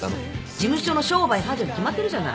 事務所の商売繁盛に決まってるじゃない。